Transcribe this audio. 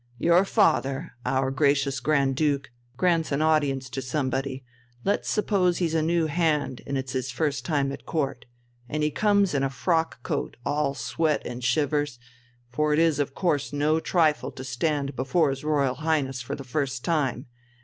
Your father, our gracious Grand Duke, grants an audience to somebody, let's suppose he's a new hand and it's his first time at Court. And he comes in a frock coat all sweat and shivers, for it is of course no trifle to stand before his Royal Highness for the first time.